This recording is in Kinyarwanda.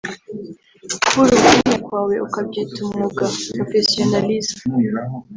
kubura umwanya kwawe ukabyita umwuga (professionalisme)